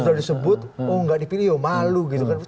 kalau disebut oh gak dipilih oh malu gitu kan